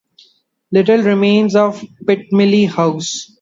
Little remains of Pitmilly House.